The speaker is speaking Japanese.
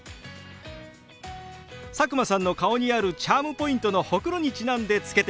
佐久間さんの顔にあるチャームポイントのホクロにちなんで付けてみたんですよ。